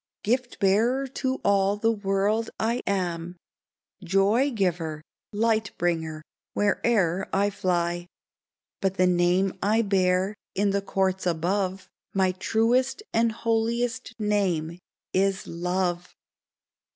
Gift bearer to all the world am I, Joy giver, Light bringer, where'er I fly ; But the name I bear in the courts above, My truest and holiest name, is — LOVE